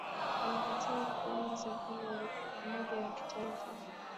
ametakiwa kuunda serikali ya umoja wa kitaifa